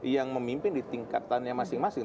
yang memimpin di tingkatannya masing masing